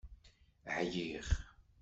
Ɛyiɣ!